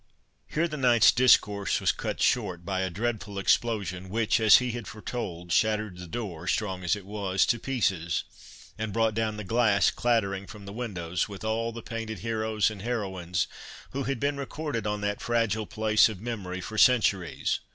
Here the knight's discourse was cut short by a dreadful explosion, which, as he had foretold, shattered the door, strong as it was, to pieces, and brought down the glass clattering from the windows with all the painted heroes and heroines, who had been recorded on that fragile place of memory for centuries.